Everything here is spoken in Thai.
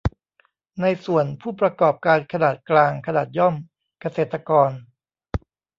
ในส่วน ผู้ประกอบการขนาดกลาง ขนาดย่อม เกษตรกร